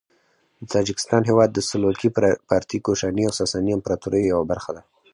د تاجکستان هیواد د سلوکي، پارتي، کوشاني او ساساني امپراطوریو یوه برخه وه.